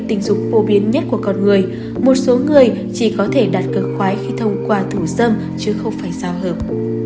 tình dục phổ biến nhất của con người một số người chỉ có thể đặt cực khoái khi thông qua thủ dâm chứ không phải giao hợp